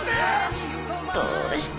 「どうして」